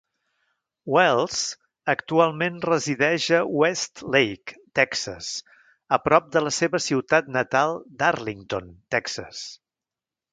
Wells actualment resideix a Westlake, Texas, a prop de la seva ciutat natal d'Arlington, Texas.